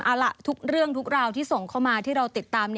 เอาล่ะทุกเรื่องทุกราวที่ส่งเข้ามาที่เราติดตาม